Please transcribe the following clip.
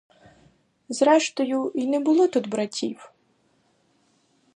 Зрештою й не було тут братів.